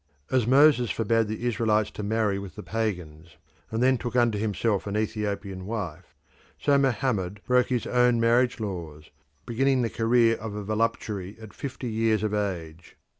As Moses forbade the Israelites to marry with the pagans and then took unto himself an Ethiopian wife, so Mohammed, broke his own marriage laws, beginning the career of a voluptuary at fifty years of age.